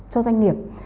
cho doanh nghiệp